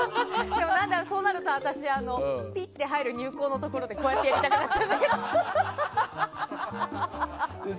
でも、そうなると私ピッて入る入構のところでこうやってやりたくなっちゃう。